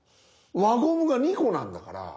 輪ゴムが２個なんだから。